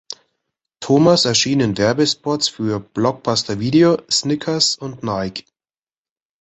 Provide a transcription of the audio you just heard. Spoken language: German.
Thomas erschien in Werbespots für Blockbuster Video, Snickers und Nike.